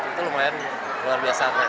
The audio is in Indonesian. itu lumayan luar biasanya